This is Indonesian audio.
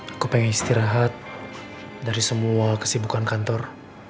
aku pengen istirahat dari semua kesibukan kantor